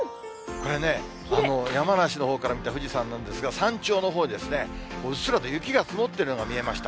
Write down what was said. これね、山梨のほうから見た富士山なんですが、山頂のほうですね、うっすらと雪が積もってるのが見えました。